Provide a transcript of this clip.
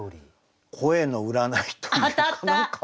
声の占いというか何か。